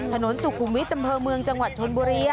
ถนนสุขุมวิทย์อำเภอเมืองจังหวัดชนบุรี